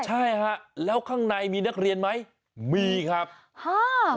ใช่ฮะแล้วข้างในมีนักเรียนไหมมีครับห้า